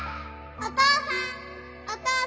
お父さん！